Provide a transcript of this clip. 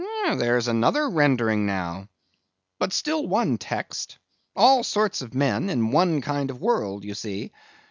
"There's another rendering now; but still one text. All sorts of men in one kind of world, you see.